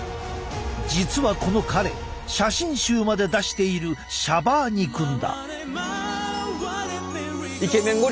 実はこの彼写真集まで出しているシャバーニ君だ。